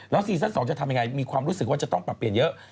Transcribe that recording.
ซีซั่น๒จะทำยังไงมีความรู้สึกว่าจะต้องปรับเปลี่ยนเยอะ